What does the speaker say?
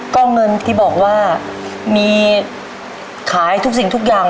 ก็เงินที่บอกว่ามีขายทุกสิ่งทุกอย่าง